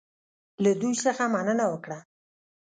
له دوی څخه مننه وکړه.